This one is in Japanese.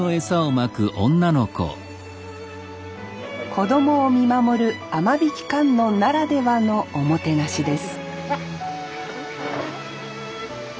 子供を見守る雨引観音ならではのおもてなしです